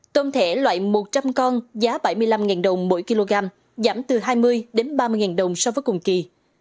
tôm thể loại một trăm linh con giá bảy mươi năm đồng mỗi kg giảm từ hai mươi đến ba mươi đồng so với cùng kỳ